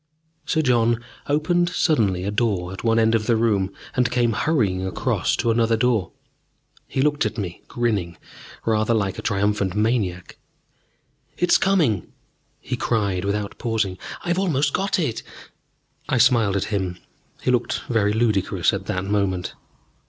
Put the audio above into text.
Sir John opened suddenly a door at one end of the room and came hurrying across to another door. He looked at me, grinning rather like a triumphant maniac. "It's coming!" he cried, without pausing, "I've almost got it!" I smiled at him: he looked very ludicrous at that moment.